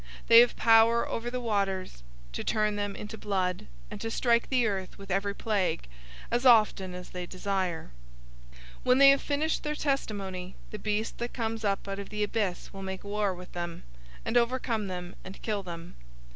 They have power over the waters, to turn them into blood, and to strike the earth with every plague, as often as they desire. 011:007 When they have finished their testimony, the beast that comes up out of the abyss will make war with them, and overcome them, and kill them.